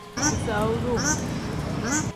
Bisaawu duu.